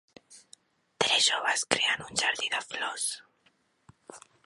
Tres joves creen un jardí de flors